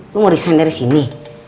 lu mau resign dari sini